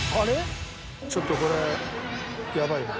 ちょっとこれやばいな。